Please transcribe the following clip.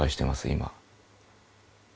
今。